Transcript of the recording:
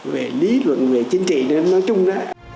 về lý luận về chính trị nói chung đó